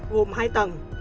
gồm hai tầng